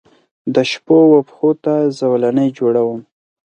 دشپووپښوته زولنې جوړوم